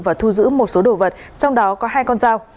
và thu giữ một số đồ vật trong đó có hai con dao